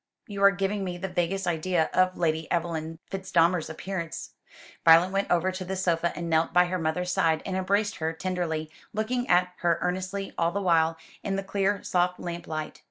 You are giving me the vaguest idea of Lady Evelyn Fitzdamer's appearance." Violet went over to the sofa and knelt by her mother's side and embraced her tenderly, looking at her earnestly all the while, in the clear soft lamp light.